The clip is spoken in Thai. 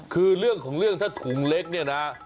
คืออย่างนี้ต้องไปหาถุงใหม่